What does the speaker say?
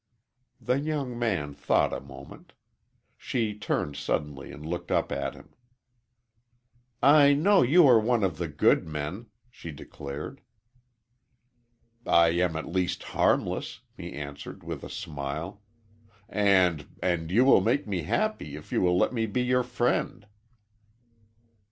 The young man thought a moment. She turned suddenly and looked up at him. "I know you are one of the good men," she declared. "I am at least harmless," he answered, with a smile, "and and you will make me happy if you will let me be your friend."